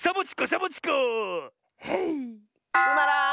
つまらん！